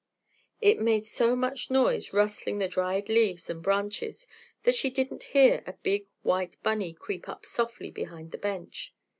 It made so much noise rustling the dried leaves and branches, that she didn't hear a big white bunny creep up softly behind the bench.